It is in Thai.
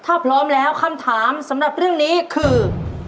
ถ้าพร้อมแล้วคำถามสำหรับเรื่องนี้คือ